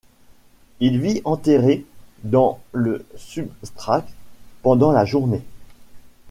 Il vit enterré dans le substrat pendant la journée.